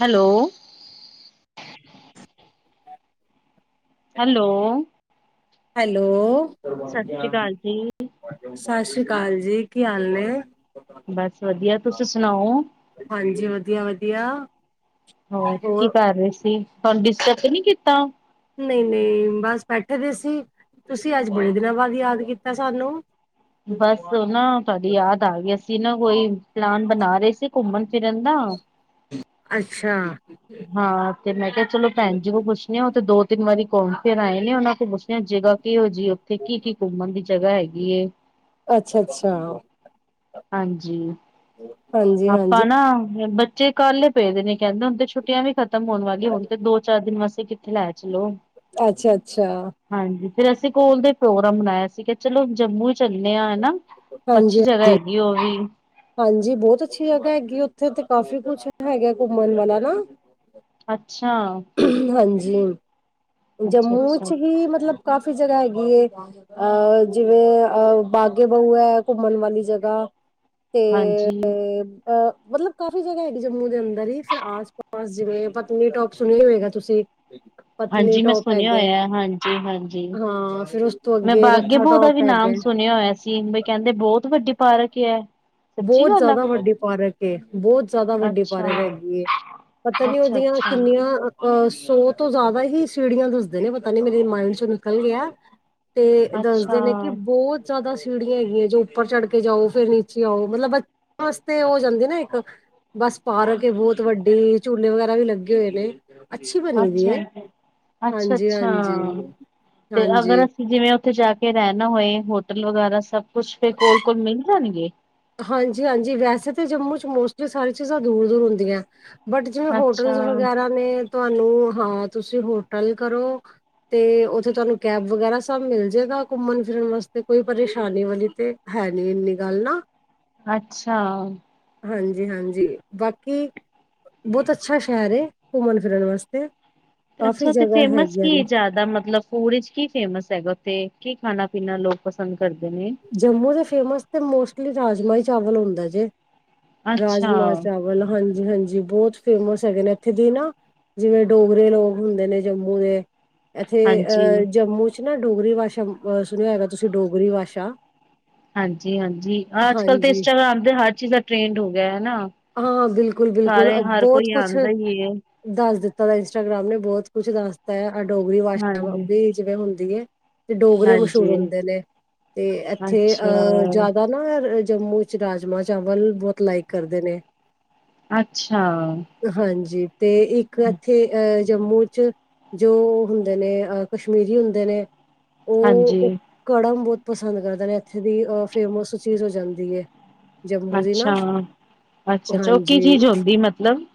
Hello [inaudible] [inaudible] hello hello ਸਤਿ ਸ੍ਰੀ ਅਕਾਲ ਜੀ। ਸਤਿ ਸ੍ਰੀ ਅਕਾਲ ਜੀ ਕੀ ਹਾਲ ਏ ਬਸ ਵਧੀਆ, ਤੁਸੀਂ ਸੁਣਾਓ? ਹਾਂਜੀ ਵਧੀਆ-ਵਧੀਆ ਹੋਰ ਕੀ ਕਰ ਰਹੇ ਸੀ ਤੁਹਾਨੂੰ ਡਿਸਟਰਬ ਤੇ ਨਹੀਂ ਕੀਤਾ ਨਹੀਂ-ਨਹੀਂ ਬਸ ਬੈਠੇ ਦੇ ਸੀ ਤੁਸੀਂ ਅੱਜ ਬੜੇ ਦਿਨਾਂ ਬਾਅਦ ਯਾਦ ਕੀਤਾ ਸਾਨੂੰ ਬਸ ਉਹ ਨਾ ਤੁਹਾਡੀ ਯਾਦ ਆ ਗਈ ਅਸੀਂ ਨਾ ਕੋਈ ਪਲਾਨ ਬਨਾ ਰਹੇ ਸੀ ਘੁੰਮਨ ਫਿਰਨ ਦਾ ਹਾਂ ਅੱਛਾ ਮੈਂ ਕਿਹਾ ਚਲੋ ਭੈਨ ਜੀ ਨੂੰ ਪੁੱਛਨੇ ਆ ਉਹ ਤੇ ਦੋ ਤਿੰਨ ਵਾਰੀ ਘੁੰਮ ਫਿਰ ਆਏ ਨੇ ਉਹਨਾਂ ਤੋਂ ਪੁੱਛ ਜਗ੍ਹਾ ਕਿਹੋ ਜਿਹੀ ਉੱਥੇ ਕੀ-ਕੀ ਘੁੰਮਣ ਦੀ ਜਗ੍ਹਾ ਹੈਗੀ ਏ ਅੱਛਾ-ਅੱਛਾ, ਹਾਂਜੀ ਆਪਾਂ ਹਾਂਜੀ-ਹਾਂਜੀ, ਨਾ ਬੱਚੇ ਕਾੱਲੇ ਪਏ ਦੇ ਨੇ ਕਹਿੰਦੇ ਹੁਣ ਤੇ ਛੁੱਟੀਆਂ ਵੀ ਖਤ ਖ਼ਤਮ ਹੋਣ ਵਾਲੀ ਹੁਨ ਤੇ ਦੋ ਚਾਰ ਦਿਨ ਵਾਸਤੇ ਕਿੱਥੇ ਲੈ ਚਲੋ ਅੱਛਾ-ਅੱਛਾ, ਹਾਂਜੀ ਫਿਰ ਅਸੀਂ ਕੋਲ ਦੇ ਪ੍ਰੋਗਰਾਮ ਬਨਾਇਆ ਸੀਗਾ ਚਲੋ ਜੰਮੂ ਚੱਲੇ ਆ ਹਨਾ ਅੱਛੀ ਜਗ੍ਹਾ ਹਾਂਜੀ-ਹਾਂਜੀ। ਹਾਂਜੀ, ਹਾਂਜੀ ਹੈਗੀ ਉਹ ਵੀ ਹਾਂਜੀ ਬਹੁਤ ਅੱਛੀ ਜਗ੍ਹਾ ਹੈਗੀ ਉੱਥੇ ਤੇ ਕਾਫੀ ਕੁੱਛ ਹੈਗਾ ਘੁੰਮਨ ਵਾਲਾ ਨਾ ਹਾਂ ਹਾਂਜੀ, ਜੰਮੂ ਅੱਛਾ ਚ ਵੀ ਮਤਲਬ ਕਾਫ਼ੀ ਜਗ੍ਹਾ ਹੈਗੀ ਹੈ ਅ ਜਿਵੇਂ ਅ ਬਾਗੇ ਬਉ ਏ ਘੁੰਮਨ ਵਾਲੀ ਜਗ੍ਹਾ ਤੇ ਹਾਂਜੀ। ਅ ਮਤਲਬ ਕਾਫੀ ਜਗ੍ਹਾ ਹੈਗੀ ਜੰਮੂ ਦੇ ਅੰਦਰ ਦੀ ਫਿਰ ਆਸ ਪਾਸ ਜਿਵੇਂ ਪਤਨੀਟੋਪ ਸੁਣਿਆ ਹੋਏਗਾ ਤੁਸੀਂ ਹਾਂਜੀ ਮੈਂ ਪਤਨੀਟੋਪ ਸੁਨਿਆ ਹੈਗਾ ਹੈ, ਹੋਇਆ ਹਾਂਜੀ ਹਾਂਜੀ ਹਾਂ ਫਿਰ ਉਸ ਤੋਂ ਮੈਂ ਅੱਗੇ ਬਾਗੇ ਨੱਥਾ ਬਹੁ ਦਾ ਵੀ ਟੋਪ ਨਾਮ ਹੈਗਾ ਸੁਨਿਆ ਹੋਇਆ ਸੀ ਬਈ ਕਹਿੰਦੇ ਬਹੁਤ ਵੱਡੀ ਪਾਰਕ ਏ। ਬਹੁਤ ਜ਼ਿਆਦਾ ਵੱਡੀ ਪਾਰਕ ਏ ਬਹੁਤ ਜ਼ਿਆਦਾ ਵੱਡੀ ਅੱਛਾ ਪਾਰਕ ਹੈਗੀ ਏ ਪਤਾ ਨੀ ਅੱਛਾ ਉਹਦੀਆਂ ਅੱਛਾ ਕਿੰਨੀਆਂ ਅ ਸੋ ਤੋਂ ਜ਼ਿਆਦਾ ਹੀ ਸੜੀਆਂ ਦੱਸਦੇ ਨੇ ਪਤਾ ਨੀ ਮੇਰੇ ਮਾਇਡ ਚ ਨਿਕਲ ਗਿਆ ਤੇ ਅੱਛਾ ਦੱਸਦੇ ਨੇ ਕਿ ਬੋਤ ਜ਼ਿਆਦਾ ਸੀੜੀਆਂ ਹੈਗੀਆਂ ਜੇ ਉੱਪਰ ਚੜ੍ਹ ਕੇ ਜਾਓ ਫਿਰ ਨੀਚੇ ਆਓ ਮਤਲਬ ਬੱਚਿਆਂ ਵਾਸਤੇ ਹੋ ਜਾਂਦੇ ਨਾ ਇੱਕ ਬਸ ਪਾਰਕ ਬਹੁਤ ਵੱਡੀ ਝੂਲੇ ਵਗੈਰਾ ਵੀ ਲੱਗੇ ਹੋਏ ਨੇ ਅੱਛੀ ਬਣੀ ਦੀ ਏ। ਹਾਂਜੀ ਅੱਛਾ-ਅੱਛਾ ਹਾਂਜੀ ਤੇ ਅਗਰ ਹਾਂਜੀ ਅਸੀਂ ਜਿਵੇਂ ਉੱਥੇ ਜਾ ਕੇ ਰਹਿਣਾ ਹੋਏ ਹੋਟਲ ਵਗੈਰਾ ਸਭ ਕੁੱਛ ਫੇਰ ਕੋਲ-ਕੋਲ ਮਿਲ ਜਾਣਗੇ। ਹਾਂਜੀ-ਹਾਂਜੀ, ਵੈਸੇ ਤਾਂ ਜੰਮੂ ਚ ਮੋਸਟਲੀ ਸਾਰੀ ਚੀਜ਼ਾਂ ਦੂਰ-ਦੂਰ ਹੁੰਦੀਆ। ਬਟ ਜਿਵੇਂ ਹੋਟਲਸ ਅੱਛਾ ਵਗੈਰਾ ਨੇ ਤੁਹਾਨੂੰ ਹਾਂ ਤੁਸੀਂ ਹੋਟਲ ਕਰੋ। ਤੇ ਉੱਥੇ ਤੁਹਾਨੂੰ ਕੈਬ ਵਗੈਰਾ ਸਭ ਮਿਲ ਜੇਗਾ ਘੁੰਮਣ ਫਿਰਨ ਵਾਸਤੇ ਕੋਈ ਪਰੇਸ਼ਾਨੀ ਵਾਲੀ ਤੇ ਹੈ ਨੀ ਇਨੀ ਗੱਲ ਨਾ ਅੱਛਾ। ਹਾਂਜੀ-ਹਾਂਜੀ ਬਾਕੀ ਬਹੁਤ ਅੱਛਾ ਸ਼ਹਿਰ ਏ ਘੁੰਮਣ ਫਿਰਨ ਵਾਸਤੇ ਅੱਛਾ ਕਾਫ਼ੀ ਉੱਥੇ ਜਗ੍ਹਾ ਫੇਮਸ ਹੈਗੀਆਂ ਕੀ ਨੇ ਜਿਆਦਾ ਮਤਲਬ ਫੂਡ ਚ ਕੀ ਫੇਮਸ ਹੈਗਾ ਉੱਥੇ। ਕੀ ਖਾਣਾ ਪੀਣਾ ਲੋਕ ਪਸੰਦ ਕਰਦੇ ਨੇ ਜੰਮੂ ਦੇ ਫੇਮਸ ਤੇ ਮੋਸਟਲੀ ਰਾਜਮਾ- ਚਾਵਲ ਹੁੰਦਾ ਜੇ। ਅੱਛਾ ਰਾਜਮਾਂ-ਚਾਵਲ, ਹਾਂਜੀ-ਹਾਂਜੀ ਬਹੁਤ ਫੇਮਸ ਹੈਗੇ ਨੇ ਇੱਥੇ ਦੀ ਨਾ ਜਿਵੇਂ ਡੋਗਰੇ ਲੋਕ ਹੁੰਦੇ ਨੇ ਜੰਮੂ ਦੇ ਇੱਥੇ ਹਾਂਜੀ। ਅਹ ਜੰਮੂ ਚ ਨਾ ਡੋਗਰੀ ਭਾਸ਼ਾ ਅਹ ਸੁਣਿਆ ਹੋਏਗਾ ਤੁਸੀਂ ਡੋਗਰੀ ਭਾਸ਼ਾ ਹਾਂਜੀ -ਹਾਂਜੀ ਅੱਜ ਕਲ ਤੇ ਹਾਂਜੀ ਇੰਸਟਾਗ੍ਰਾਮ ਤੇ ਹਰ ਚੀਜ਼ ਦਾ ਟ੍ਰੇਂਡ ਹੋ ਗਿਆ ਹੈਨਾ। ਹਾਂ ਬਿਲਕੁਲ-ਬਿਲਕੁਲ ਸਾਰੇ ਹਰ ਬਹੁਤ ਕੋਈ ਕੁਛ ਆਔਦਾ ਈ ਏ ਦੱਸ ਦਿੱਤਾ ਇੰਸਟਾਗ੍ਰਾਮ ਨੇ ਬਹੁਤ ਕੁਛ ਦੱਸਤਾ ਐ ਏ ਡੋਗਰੀ ਭਾਸ਼ਾ ਵੀ ਜਿਵੇਂ ਹੁੰਦੀ ਏ। ਡੋਗਰੇ ਮਸ਼ਹੂਰ ਹਾਂਜੀ-ਹਾਂਜੀ ਹੁੰਦੇ ਨੇ ਤੇ ਇੱਥੇ ਅ ਅੱਛਾ-ਅੱਛਾ ਜਾਦਾ ਨਾ ਜੰਮੂ ਚ ਰਾਜਮਾਂ- ਚਾਵਲ ਬਹੁਤ ਲਾਈਕ ਕਰਦੇ ਨੇ। ਅੱਛਾ। ਹਾਂਜੀ ਤੇ ਇੱਕ ਇੱਥੇ ਜੰਮੂ ਚ ਜੋ ਹੁੰਦੇ ਨੇ ਕਸ਼ਮੀਰੀ ਹੁੰਦੇ ਨੇ ਉਹ ਹਾਂਜੀ ਓ ਕੜਮ ਬਹੁਤ ਪਸੰਦ ਕਰਦੇ ਨੇ ਇੱਥੇ ਦੀ ਅ ਫੇਮਸ ਚੀਜ਼ ਹੋ ਜਾਂਦੀ ਏ। ਜੰਮੂ ਦੀ ਨਾ, ਅੱਛਾ। ਅੱਛਾ-ਅੱਛਾ ਉਹ ਕੀ ਹਾਂਜੀ। ਚੀਜ਼ ਹੁੰਦੀ ਮਤਲਬ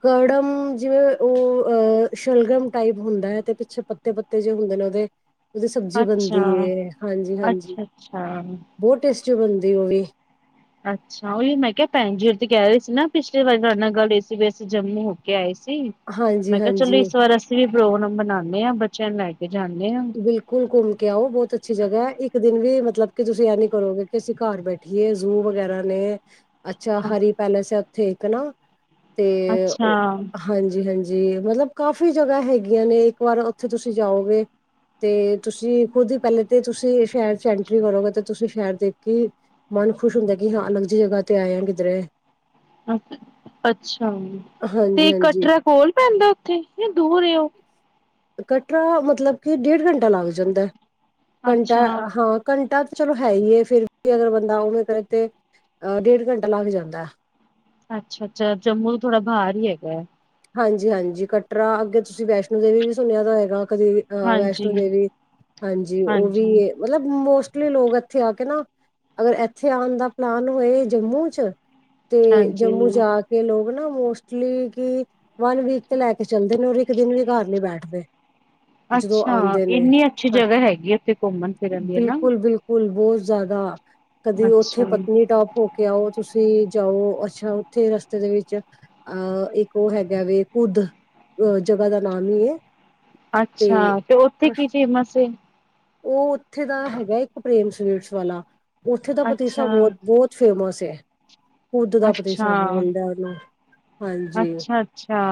ਕੜਮ ਜਿਵੇ ਉਹ ਅ ਸ਼ਲਗਮ ਟਾਈਪ ਹੁੰਦਾ ਹੈ ਤੇ ਪਿੱਛੇ ਪੱਤੇ-ਪੱਤੇ ਜੇ ਹੁੰਦੇ ਨੇ ਉਹਦੇ ਉਹਦੀ ਸਬਜ਼ੀ ਬਣਦੀ ਅੱਛਾ। ਏ, ਹਾਂਜੀ-ਹਾਂਜੀ ਅੱਛਾ-ਅੱਛਾ ਬਹੁਤ ਟੇ ਸਟੀ ਬਣਦੀ ਉਹ ਵੀ ਅੱਛਾ ਓਈਓ ਮੈਂ ਕਿਹਾ ਭੈਣ ਜੀ ਓਰੀ ਤੇ ਕਹਿ ਰਏ ਸੀ ਨਾ ਪਿਛਲੀ ਵਾਰੀ ਤੁਆਡੇ ਨਾਲ ਗੱਲ ਹੋਈ ਸੀ ਵੀ ਅਸੀਂ ਜੰਮੂ ਹੋ ਕੇ ਆਏ ਸੀ। ਹਾਂਜੀ ਮੈਂ ਕਿਆ ਚਲੋ ਹਾਂਜੀ ਇਸ ਵਾਰ ਅਸੀਂ ਵੀ ਪ੍ਰੋਗਰਾਮ ਬਨਾਨੇ ਆ ਬੱਚਿਆਂ ਨੂੰ ਲੈ ਕੇ ਜਾਂਨੇ ਆ। ਬਿਲਕੁਲ ਘੁੰਮ ਕੇ ਆਓ ਬਹੁਤ ਅੱਛੀ ਜਗ੍ਹਾ ਐ ਇੱਕ ਦਿਨ ਵੀ ਮਤ ਮਤਲਬ ਕਿ ਤੁਸੀਂ ਇਹ ਨੀ ਕਰੋਗੇ ਕਿ ਅਸੀਂ ਘਰ ਬੈਠੀਏ ਜ਼ੂ ਵਗੈਰਾ ਨੇ ਅੱਛਾ ਹਰੀ ਪੈਲੇਸ ਐ ਥੇ ਤਨਾ ਤੇ ਅੱਛਾ, ਹਾਂਜੀ-ਹਾਂਜੀ। ਜੀ ਮਤਲਬ ਕਾਫੀ ਜਗ੍ਹਾ ਹੈਗੀਆਂ ਨੇ ਇੱਕ ਵਾਰ ਉੱਥੇ ਤੁਸੀਂ ਜਾਓਗੇ ਤੇ ਤੁਸੀਂ ਖੁਦ ਪਹਿਲੇ ਤੇ ਤੁਸੀਂ ਸ਼ਹਿਰ ਚ ਐਂਟਰੀ ਕਰੋਗੇ ਤੇ ਤੁਸੀਂ ਸ਼ਹਿਰ ਦੇਖੀ ਮਨ ਖੁਸ਼ ਹੁੰਦਾ ਕਿ ਹਾਂ ਅਲੱਗ ਜੀ ਜਗ੍ਹਾ ਤੇ ਆਏ ਆ ਕਿੱਧਰੇ। ਅ ਅੱਛਾ। ਹਾਂਜੀ ਤੇ ਹਾਂਜੀ ਕਟਰਾ ਕੋਲ ਪੈਂਦਾ ਉੱਥੇ ਯਾ ਦੂਰ ਏ ਓ। ਕਟਰਾ ਮਤਲਬ ਕਿ ਡੇਢ ਘੰਟਾ ਲੱਗ ਜਾਂਦਾ, ਘੰਟਾ ਅੱਛਾ। ਹਾਂ ਘੰਟਾ ਚਲੋ ਹੈ ਈ ਫਿਰ ਵੀ ਅਗਰ ਬੰਦਾ ਉਹਵੇਂ ਕਰੇ ਤੇ ਅਹ ਡੇਢ ਘੰਟਾ ਲੱਗ ਜਾਂਦਾ। ਅੱਛਾ- ਅੱਛਾ ਜੰਮੂ ਤੋਂ ਥੋੜਾ ਬਾਹਰ ਹੀ ਹੈਗਾ। ਹਾਂਜੀ-ਹਾਂਜੀ ਕਟਰਾ ਅੱਗੇ ਤੁਸੀਂ ਵੈਸ਼ਨੋ ਦੇਵੀ ਵੀ ਸੁਣਿਆ ਦਾ ਹੋਏਗਾ। ਕਦੇ ਅਹ ਵੈਸ਼ਨੋ ਹਾਂਜੀ, ਦੇਵੀ ਹਾਂਜੀ ਉਹ ਵੀ ਮਤਲਬ ਮੋਸਟ ਲੀ ਲੋਕ ਇੱਥੇ ਆ ਕੇ ਨਾ ਅਗਰ ਇੱਥੇ ਆਣ ਦਾ ਪਲਾਨ ਹੋਏ ਜੰਮੂ ਚ ਤੇ ਹਾਂਜੀ ਜੰਮੂ ਜਾ ਕੇ ਲੋਕ ਨਾ ਮੋਸਟਲੀ ਕਿ ਵਨ ਵੀਕ ਤੇ ਲੈ ਕੇ ਚੱਲਦੇ ਨੇ ਔਰ ਇੱਕ ਦਿਨ ਵੀ ਘਰ ਨੀ ਬੈਠਦੇ। ਜਦੋਂ ਅੱਛਾ ਆਉਂਦੇ ਨੇ, ਇੰਨੀ ਅੱਛੀ ਜਗ੍ਹਾ ਹੈਗੀ ਉੱਥੇ ਘੁੰਮਣ ਫਿਰਨ ਦੀ ਹਨਾ। ਬਿਲਕੁਲ- ਬਿਲਕੁਲ। ਬਹੁਤ ਜ਼ਿਆਦਾ ਕਦੇ ਉੱਥੇ ਅੱਛਾ, ਪਤਨੀਟਾਪ ਹੋ ਕੇ ਆਓ ਤੁਸੀਂ ਜਾਓ ਅੱਛਾ ਉੱਥੇ ਰਸਤੇ ਦੇ ਵਿੱਚ ਅਹ ਇੱਕ ਉਹ ਹੈਗਾ ਵ ਕੁਦ ਅਹ ਜਗ੍ਹਾ ਦਾ ਨਾਮ ਹੀ ਹੈ। ਅੱਛਾ ਤੇ ਉੱਥੇ ਕੀ ਫੇਮਸ ਉਹ ਉੱਥੇ ਦਾ ਹੈਗਾ ਇੱਕ ਪ੍ਰੇਮ ਸਵੀਟਸ ਵਾਲਾ ਉੱਥੇ ਤਾਂ ਪਤੀਸਾ ਅੱਛਾ। ਬਹੁਤ ਬਹੁਤ ਫੇਮਸ ਹੈ। ਕੁਦ ਦਾ ਪਤੀਸਾ ਅੱਛਾ, ਬੋਲਦਾ ਹੁੰਦਾ ਉਹ ਹਾਂਜੀ ਅੱਛਾ, ਅੱਛਾ।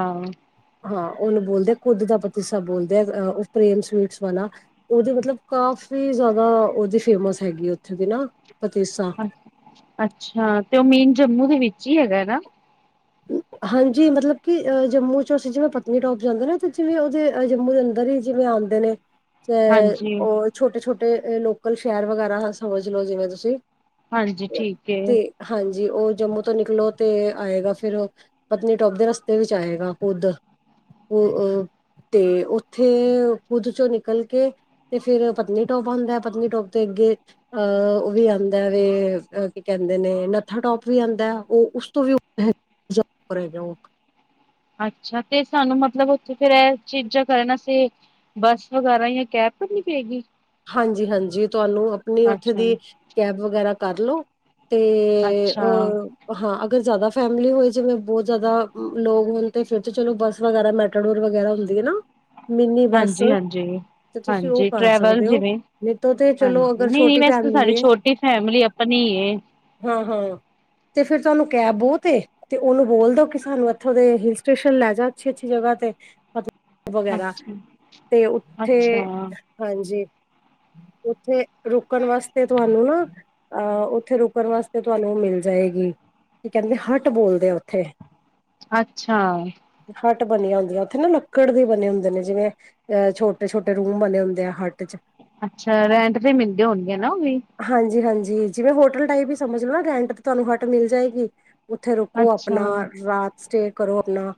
ਹਾਂ ਉਹਨੂੰ ਬੋਲਦੇ ਕੁੱਦ ਦਾ ਪਤੀਸਾ ਬੋਲਦੇ ਉਹ ਪ੍ਰੇਮ ਸਵੀਟਸ ਵਾਲਾ ਉਹਦੇ ਮਤਲਬ ਕਾਫੀ ਕਾਫ਼ੀ ਜ਼ਿਆਦਾ ਉਹਦੀ ਫੇਮਸ ਹੈਗੀ ਉੱਥੇ ਦੀ ਨਾ ਪਤੀਸਾ ਅ ਅੱਛਾ ਤੇ ਉਹ ਮੇਨ ਜੰਮੂ ਦੇ ਵਿੱਚ ਹੀ ਹੈਗਾ ਨਾ, ਹਾਂਜੀ ਮਤਲਬ ਕਿ ਜੰਮੂ ਚ ਅਸੀਂ ਜਿਵੇਂ ਪਤਨੀਟੋਪ ਜਾਂਦੇ ਨੇ ਤੇ ਜਿਵੇਂ ਉਹਦੇ ਜੰਮੂ ਦੇ ਅੰਦਰ ਹੀ ਜਿਵੇਂ ਹੁੰਦੇ ਨੇ। ਤੇ ਹਾਂਜੀ। ਉਹ ਛੋਟੇ ਛੋਟੇ ਲੋਕਲ ਸ਼ਹਿਰ ਵਗੈਰਾ ਸਮਝ ਲੋੋ ਜਿਵੇਂ ਤੁਸੀਂ ਹਾਂਜੀ ਠੀਕ ਹੈ। ਜੀ ਉਹ ਜੰਮੂ ਤੋਂ ਨਿਕਲੋ ਤੇ ਆਏਗਾ ਫੇਰ ਪਤਨੀਟੋਪ ਦੇ ਰਸਤੇ ਵਿੱਚ ਆਏਗਾ ਕੁਦ ਅ ਤੇ ਉੱਥੇ ਕੁਦ ਚੋਂ ਨਿਕਲ ਕੇ ਤੇ ਫਿਰ ਪਤਨੀਟਾਪ ਹੁੰਦਾ ਪਤਨੀਟੋਪ ਤੇ ਅੱਗੇ ਅਹ ਉਹ ਵੀ ਆਉਂਦਾ ਵੈ ਕੀ ਕਹਿੰਦੇ ਨੇ ਨਥਾ ਟੋਪ ਵੀ ਆਉਂਦਾ ਉਹ ਉਸ ਤੋਂ ਵੀ ਅੱਛਾ ਤੇ ਸਾਨੂੰ ਮਤਲਬ ਉੱਥੇ ਫੇਰ ਇਹ ਚੀਜਾਂ ਕਰਨ ਵਾਸਤੇ ਬੱਸ ਵਗੈਰਾ ਜਾਂ ਕੈਬ ਕਰਨੀ ਪਏਗੀ ਹਾਂਜੀ ਹਾਂਜੀ ਤੁਹਾਨੂੰ ਆਪਣੀ ਉੱਥੇ ਅੱਛਾ। ਦੀ ਕੈਬ ਵਗੈਰਾ ਕਰ ਲੋ। ਤੇ ਅੱਛਾ ਅਹ ਹਾਂ। ਅਗਰ ਜੈਦਾ ਫੈਮਿਲੀ ਹੋਏ ਜਿਵੇਂ ਬਹੁਤ ਜ਼ਿਆਦਾ ਲੋਕ ਹੋਣ ਤੇ ਫਿਰ ਤੇ ਚਲੋ ਬੱਸ ਵਗੈਰਾ ਮੈਟਾਡੋਰ ਵਗੈਰਾ ਹੁੰਦੀ ਨਾ ਮਿੰਨੀ ਬੱਸ ਹਾਂਜੀ, ਹਾਂਜੀ, ਤੇ ਤੁਸੀਂ ਉਹ ਹਾਂਜੀ ਕਰ ਸਕ ਟਰੈਵਲ ਸਕਦੇ ਹੋ ਜਿਵੇਂ ਨਹੀਂ ਤੋ ਤੇ ਚਲੋ ਹਾਂਜੀ ਅਗਰ ਨਹੀਂ, ਨਹੀਂ ਛੋਟੀ ਵੈਸੇ ਤਾਂ ਫੈਮਲੀ ਸਾਡੀ ਹੈ। ਛੋਟੀ ਫੈਮਿਲੀ ਆਪਣੀ ਏ ਹਾਂ ਹਾਂ ਤੇ ਫਿਰ ਤੁਹਾਨੂੰ ਕੈਬ ਬਹੁਤ ਏ ਤੇ ਉਹਨੂੰ ਬੋਲ ਦੋ ਕਿ ਸਾਨੂੰ ਇੱਥੋਂ ਦੇ ਹਿਲ ਸਟੇਸ਼ਨ ਲੈ ਜਾ ਅੱਛੀ ਅੱਛੀ ਜਗ੍ਹਾ ਤੇ ਵਗੈਰਾ ਅੱਛਾ। ਤੇ ਉੱਥੇ ਅੱਛਾ, [inaudible] ਉੱਥੇ ਰੁਕਣ ਵਾਸਤੇ ਤੁਹਾਨੂੰ ਨਾ ਅਹ ਉੱਥੇ ਰੁਕਣ ਵਾਸਤੇ ਤੁਹਾਨੂੰ ਉਹ ਮਿਲ ਜਾਏ। ਕੀ ਕਹਿੰਦੇ ਹੱਟ ਬੋਲਦੇ ਆ ਉੱਥੇ ਅੱਛਾ। ਹੱਟ ਬਣੀਆਂ ਹੁੰਦੀਆਂ ਉੱਥੇ ਨਾ ਲੱਕੜ ਦੇ ਬਣੇ ਹੁੰਦੇ ਨੇ ਜਿਵੇਂ ਅਹ ਛੋਟੇ ਛੋਟੇ ਰੂਮ ਬਣੇ ਹੁੰਦੇ ਆ। ਹੱਟ ਚ ਅੱਛਾ ਰੈਂਟ ਤੇ ਮਿਲਦੇ ਹੋਣਗੇ ਨਾ ਉਹ ਵੀ ਜੀ ਜਿਵੇ ਹੋਟਲ ਟਾਈਪ ਹੀ ਸਮਝ ਲੋ ਨਾ ਰੈਂਟ ਤੇ ਤੁਹਾਨੂੰ ਹੱਟ ਮਿਲ ਜਾਏਗੀ ਉੱਥੇ ਰੁਕੋ ਅੱਛਾ, ਆਪਣਾ ਰਾਤ ਸਟੇ ਕਰੋ ਆਪਣਾ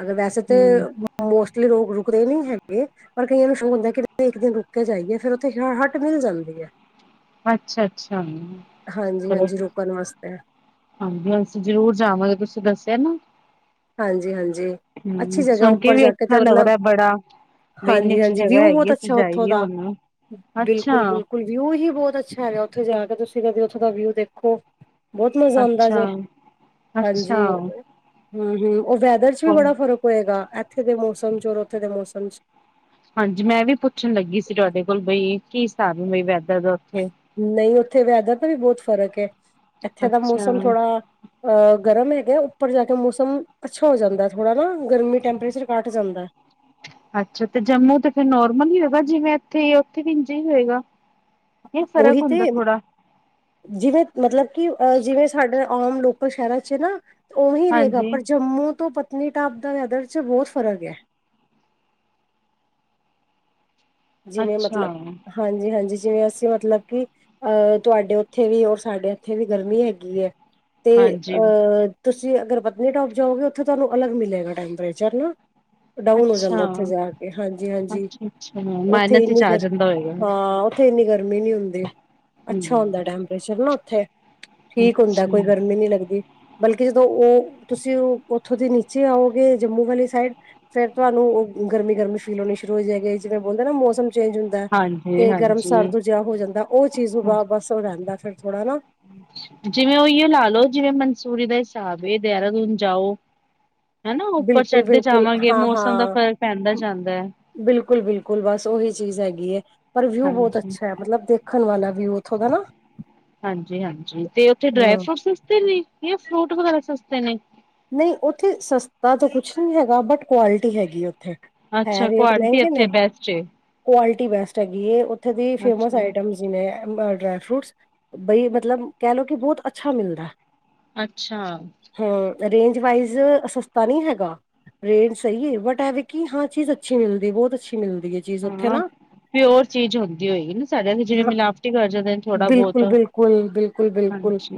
ਅਗਰ ਵੈਸੇ ਹੂੰ ਤਾਂ ਮੋਸਟਲੀ ਰ ਰੁਕਦੇ ਨਹੀਂ ਹੈਗੇ ਪਰ ਕਈਆਂ ਨੂੰ ਸ਼ੋਕ ਹੁੰਦਾ ਕਿ ਇੱਕ ਦਿਨ ਰੁ ਕੇ ਜਾਈਏ ਫੇਰ ਉੱਥੇ ਹੱਟ ਮਿਲ ਜਾਂਦੀ ਹੈ। ਅੱਛਾ, ਅੱਛਾ। ਹਾਂਜੀ ਚਲੋ ਹਾਂਜੀ ਰੁਕਣ ਵਾਸਤੇ ਹਾਂਜੀ ਅਸੀਂ ਜ਼ਰੂਰ ਜਾਵਾਂਗੇ ਤੁਸੀਂ ਦੱਸਿਆ ਨਾ ਹਾਂਜੀ ਹਾਂਜੀ ਅੱਛੀ ਹਮ ਜਗ੍ਹਾ ਸੁਣ ਉੱਪਰ ਵੀ ਜਾ ਕੇ ਤੇ ਅੱਛਾ ਲੱਗ ਮਤਲਬ ਰਿਹਾ ਬੜਾ ਬਈ ਇੰਨੀ ਹਾਂਜੀ ਅੱਛੀ ਹਾਂਜੀ ਜਗ੍ਹਾ ਵਿਊ ਹੈਗੀ ਬਹੁਤ ਅਸੀਂ ਅੱਛਾ ਉੱਥੋਂ ਜਾਈਏ ਦਾ ਹੁਣ ਅੱਛਾ ਬਿਲਕੁਲ ਬਿਲਕੁਲ ਵਿਊ ਹੀ ਬਹੁਤ ਅੱਛਾ ਹੈਗਾ ਉੱਥੇ ਜਾ ਕੇ ਤੁਸੀਂ ਕਦੇ ਉੱਥੋਂ ਦਾ ਵਿਊ ਦੇਖੋ। ਬਹੁਤ ਮਜ਼ਾ ਆਉਂਦਾ ਅੱਛਾ ਜੇ ਅੱਛਾ ਹਾਂਜੀ। ਹਮ ਹਮ ਉਹ ਵੈਦਰ ਚ ਵੀ ਹੋਰ ਬੜਾ ਫ਼ਰਕ ਹੋਏਗਾ ਇੱਥੇ ਦੇ ਮੌਸਮ ਚ ਔਰ ਉੱਥੇ ਦੇ ਮੌਸਮ। ਹਾਂਜੀ ਮੈਂ ਵੀ ਪੁੱਛਣ ਲੱਗੀ ਸੀ ਤੁਹਾਡੇ ਕੋਲ ਬਈ ਕੀ ਸਾਬ ਵੈ। ਨਹੀਂ ਉੱਥੇ ਵੈਦਰ ਤੇ ਵੀ ਬਹੁਤ ਫ਼ਰਕ ਹੈ। ਇੱਥੇ ਦਾ ਅੱਛਾ ਮੌਸਮ ਥੋੜਾ ਅਹ ਗਰਮ ਹੈ। ਉਪਰ ਜਾ ਕੇ ਮੌਸਮ ਅੱਛਾ ਹੋ ਜਾਂਦਾ ਥੋੜਾ ਨਾ ਗਰਮੀ ਟੈਂਪਰੇਚਰ ਘੱਟ ਜਾਂਦਾ ਹੈ। ਅੱਛਾ ਤੇ ਜੰਮੂ ਤੇ ਫਿਰ ਨੋਰਮਲ ਹੀਂ ਹੋਗਾ ਜਿਵੇਂ ਇਥੇ ਉਥੇ ਵੀ ਇੰਜ ਹੀ ਹੋਏਗਾ। ਇਹ ਫ਼ਰਕ ਉਹੀ ਤੇ ਹੁੰਦਾ ਥੋੜਾ ਜਿਵੇਂ, ਮਤਲਬ ਕਿ ਜਿਵੇਂ ਸਾਡੇ ਆਮ ਲੋਕਲ ਸ਼ਹਿਰਾਂ ਚ ਨਾ ਉਹੀ ਰਹੇਗਾ, ਹਾਂਜੀ ਪਰ ਜੰਮੂ ਤੋਂ ਪਤਾ ਪਤਨੀਟਾਪ ਦਾ ਵੈਦਰ 'ਚ ਬਹੁਤ ਫਰਕ ਹੈ। ਜਿਵੇਂ ਅੱਛਾ ਮਤਲਬ ਹਾਂਜੀ-ਹਾਂਜੀ। ਜਿਵੇਂ ਅਸੀਂ ਮਤਲਬ ਕਿ, ਅਹ ਤੁਹਾਡੇ ਉੱਥੇ ਵੀ ਔਰ ਸਾਡੇ ਉੱਥੇ ਵੀ ਗਰਮੀ ਹੈਗੀ ਹੈ। ਤੇ ਹਾਂਜੀ ਅਹ ਤੁਸੀਂ ਅਗਰ ਪਤਨੀਟਾਪ ਜਾਓਗੇ, ਉੱਥੇ ਤੁਹਾਨੂੰ ਅਲੱਗ ਮਿਲੇਗਾ ਟੈਂਪਰੇਚਰ ਹੈ ਨਾ ਡਾਊਨ ਹੋ ਜਾਂਦਾ ਅੱਛਾ ਉੱਥੇ ਜਾ ਕੇ ਹਾਂਜੀ-ਹਾਂਜੀ ਅੱਛਾ ਅੱਛਾ ਉੱਥੇ ਮਾਈਨਸ ਵਿੱਚ ਇਨੀ ਆ ਦੇਰ ਜਾਂਦਾ ਹੋਏਗਾ ਹਾਂ ਉਥੇ ਇੰਨੀ ਗਰਮੀ ਨੀ ਹੁੰਦੀ ਅੱਛਾ ਹੁੰਦਾ, ਹਮ ਟੈਂਪਰੇਚਰ ਨਾ ਉੱਥੇ। ਠੀਕ ਹੁੰਦਾ ਅੱਛਾ ਕੋਈ ਗਰਮੀ ਨਹੀਂ ਲੱਗਦੀ। ਬਲਕਿ ਜਦੋਂ ਤੁਸੀਂ ਉਥੋਂ ਦੀ ਨੀਚੇ ਆਓਗੇ ਜੰਮੂ ਵਾਲੀ ਸਾਈਡ ਫਿਰ ਤੁਹਾਨੂੰ ਗਰਮੀ-ਗਰਮੀ ਫੀਲ ਹੋਣੀ ਸ਼ੁਰੂ ਹੋ ਜਾਏਗੀ, ਜਿਵੇਂ ਬੋਲਦੇ ਨਾ ਮੌਸਮ ਚੇਂਜ ਹੁੰਦਾ ਹਾਂਜੀ ਤੇ ਗਰਮ ਹਾਂਜੀ ਸਰਦ ਜਿਹਾ ਹੋ ਜਾਂਦਾ, ਉਹ ਚੀਜ਼ ਵਾ ਬਸ ਰਹਿੰਦਾ ਫਿਰ। ਥੋੜਾ ਨਾ ਜਿਵੇਂ ਉਹੀਓ ਲਾ ਲੋੋ ਜਿਵੇਂ, ਮਨਸੂਰੀ ਦਾ ਹਿਸਾਬ ਦੇਹਰਾਦੂਨ ਜਾਓ। ਹਨਾ ਉੱਪਰ ਬਿਲਕੁਲ ਚੜ੍ਹਦੇ ਬਿਲਕੁਲ ਜਾਵਾਂਗੇ ਮੌਸਮ ਦਾ ਫਰਕ ਪੈਂਦਾ ਜਾਂਦਾ ਹੈ। ਬਿਲਕੁਲ-ਬਿਲਕੁਲ ਬਸ ਉਹੀ ਚੀਜ਼ ਹੈਗੀ ਹੈ, ਪਰ ਵਿਊ ਬਹੁਤ ਹਾਂਜੀ ਅੱਛਾ ਹੈ ਮਤਲਬ ਦੇਖਣ ਵਾਲਾ ਵਿਊ। ਉੱਥੋਂ ਦਾ ਨਾ ਹਾਂਜੀ-ਹਾਂਜੀ ਤੇ ਉੱਥੇ ਡਰਾਈ ਹਾਂ ਫਰੂਟ ਸਸਤੇ ਨੇ ਜਾਂ ਫਰੂਟ ਵਗੈਰਾ ਸਸਤੇ ਨੇ ਨਹੀਂ ਉੱਥੇ ਸਸਤਾ ਤਾਂ ਕੁਛ ਨਹੀਂ ਹੈਗਾ, ਬਟ ਕੁਆਲਿਟੀ ਹੈਗੀ ਉਥੇ। ਹੈ, ਅੱਛਾ ਰੇਟ ਕੁਆਲਿਟੀ ਮਹਿੰਗੇ ਇੱਥੇ ਨੇ ਬੈਸਟ ਏ ਕੁਆਲਟੀ ਬੈਸਟ ਹੈਗੀਏ ਉੱਥੇ ਦੀ ਫੇਮਸ ਅੱਛਾ ਆਈਟਮ ਨੇ ਡਰਾਈ ਫਰੂਟਸ ਬਈ ਮਤਲਬ ਕਹਿ ਲਓ, ਕਿ ਬਹੁਤ ਅੱਛਾ ਮਿਲਦਾ। ਅੱਛਾ। ਹਾਂ ਰੇਂਜ ਵਾਈਜ਼ ਸਸਤਾ ਨਹੀਂ ਹੈਗਾ। ਰੇਟ ਸਹੀ ਹੈ ਬਟਵੇ ਕਿ, ਹਾਂ ਚੀਜ਼ ਅੱਛੀ ਮਿਲਦੀ ਬਹੁਤ ਅੱਛੀ ਮਿਲਦੀ ਹੈ ਚੀਜ਼ ਉੱਥੇ ਹਾਂ ਨਾ? ਪਿਓਰ ਚੀਜ਼ ਹੁੰਦੀ ਹੋਏਗੀ, ਨਾ ਸਾਡੇ ਜਿਵੇਂ ਹਾਂ, ਮਿਲਾਵਟੀ ਕਰ ਜਾਂਦੇ ਨੇ ਥੋੜਾ ਬਹੁਤ। ਬਿਲਕੁਲ ਬਿਲਕੁਲ [unintelligible] ਹਾਂਜੀ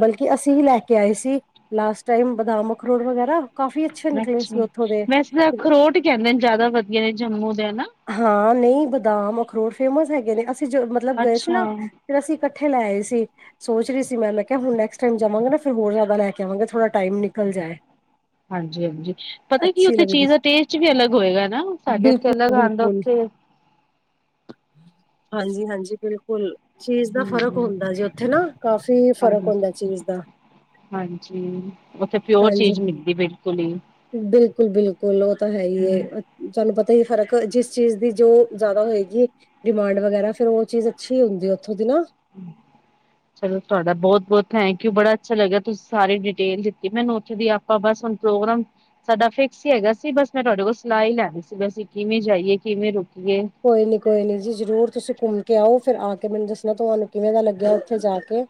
ਬਲਕਿ ਅਸੀਂ ਹੀ ਲੈ ਕੇ ਆਏ ਸੀ, ਲਾਸਟ ਟਾਈਮ ਬਦਾਮ, ਅਖਰੋੜ ਵਗੈਰਾ। ਕਾਫੀ ਅੱਛੇ ਨਿਕਲੇ ਸੀ ਅੱਛਾ ਉੱਥੋਂ ਦੇ ਵੈਸੇ ਤਾਂ ਅਖਰੋਟ ਕਹਿੰਦੇ ਨੇ ਜ਼ਿਆਦਾ ਵਧੀਆ ਨੇ ਜੰਮੂ ਦੇ ਹਨਾ। ਹਾਂ ਨਹੀਂ ਬਦਾਮ ਅਖਰੋਟ ਫੇਮਸ ਹੈਗੇ ਨੇ, ਅਸੀਂ ਜੋ ਮਤਲਬ ਗਏ ਸੀ ਨਾ ਅੱਛਾ ਫਿਰ ਅਸੀਂ ਇਕੱਠੇ ਲੈ ਆਏ ਸੀ ਸੋਚ ਰਹੀ ਸੀ, ਮੈਂ ਮੈਂ ਕਿਹਾ ਹੁਣ ਨੈਕਸਟ ਟਾਈਮ ਜਾਵਾਂਗਾ, ਨਾ ਫਿਰ ਹੋਰ ਜਿਆਦਾ ਲੈ ਕੇ ਆਵਾਂਗੇ ਥੋੜ੍ਹਾ ਟਾਈਮ ਨਿਕਲ ਜਾਏ। ਹਾਂਜੀ-ਹਾਂਜੀ, ਪਤਾ ਕੀ ਅੱਛੀ ਉੱਥੇ ਲੱਗਦੀ ਚੀਜ਼ ਦਾ ਟੇਸਟ ਵੀ ਅਲੱਗ ਹੋਏਗਾ ਨਾ ਸਾਡੇ ਇੱਥੇ ਅਲੱਗ ਬਿਲਕੁਲ ਆਉਂਦਾ ਉੱਥੇ। [inaudible] ਹਾਂਜੀ-ਹਾਂਜੀ ਬਿਲਕੁਲ ਚੀਜ਼ ਦਾ ਫ਼ਰਕ ਹੂੰ ਹੁੰਦਾ ਜੀ ਉੱਥੇ ਨਾ ਕਾਫੀ ਫ਼ਰਕ ਹਾਂਜੀ ਹੁੰਦਾ ਚੀਜ਼ ਦਾ ਹਾਂਜੀ ਉੱਥੇ ਪਿਓਰ ਹਾਂਜੀ ਚੀਜ਼ ਮਿਲਦੀ ਬਿਲਕੁਲ ਹੀ ਬਿਲਕੁਲ-ਬਿਲਕੁਲ ਉਹ ਤਾਂ ਹੈ ਹੀ ਹੂੰ [unintelligible] ਪਤਾ ਹੀ ਫ਼ਰਕ ਜਿਸ ਚੀਜ਼ ਦੀ ਜੋ ਜ਼ਿਆਦਾ ਹੋਏਗੀ, ਡਿਮਾਂਡ ਵਗੈਰਾ ਫੇਰ ਉਹ ਚੀਜ਼ ਅੱਛੀ ਹੁੰਦੀ ਹੈ। ਚਲੋ ਤੁਹਾਡਾ ਬਹੁਤ -ਬਹੁਤ ਥੈਂਕ ਯੂ ਬੜਾ ਅੱਛਾ ਲੱਗਿਆ ਤੁਸੀਂ ਸਾਰੀ ਡਿਟੇਲ ਦਿੱਤੀ ਮੈਨੂੰ ਉੱਥੇ ਦੀ ਆਪਾਂ ਬਸ ਹੁਣ ਪ੍ਰੋਗਰਾਮ ਸਾਡਾ ਫਿਕਸ ਹੀ ਹੈਗਾ ਸੀ, ਬਸ ਮੈਂ ਤੁਹਾਡੇ ਕੋਲ ਸਲਾਹ ਹੀ ਲੈਦੀ ਸੀ ਬਸੀਂ ਕਿਵੇਂ ਜਾਈਏ ਕਿਵੇਂ ਰੁਕ ਕੋਈ ਨੀ ਕੋਈ ਨੀ ਜੀ ਜ਼ਰੂਰ ਤੁਸੀਂ ਘੁੰਮ ਕੇ ਆਓ, ਫਿਰ ਆ ਕੇ ਮੈਨੂੰ ਦੱਸਣਾ ਤੁਹਾਨੂੰ ਕਿਵੇਂ ਦਾ ਲੱਗਿਆ। ਉੱਥੇ ਜਾ ਕੇ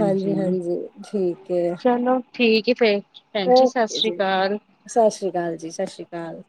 ਹਾਂਜੀ-ਹਾਂਜੀ ਠੀਕ ਹੈ, ਚਲੋ ਠੀਕ ਹੈ ਫੇਰ ਭੈਣ ਜੀ ਸਤਿ ਓਕੇ ਸ੍ਰੀ ਜੀ। ਅਕਾਲ ਸਤ ਸ਼੍ਰੀ ਅਕਾਲ ਜੀ, ਸਤਿ ਸ਼੍ਰੀ ਅਕਾਲ।